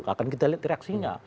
akan kita lihat reaksinya